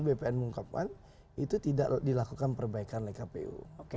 bpn mengungkapkan itu tidak dilakukan perbaikan oleh kpu